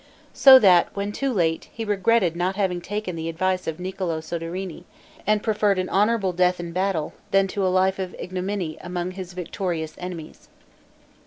So that, when too late, he regretted not having taken the advice of Niccolo Soderini, and preferred an honorable death in battle, than to a life of ignominy among his victorious enemies.